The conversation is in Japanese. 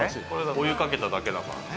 お湯かけただけだからね。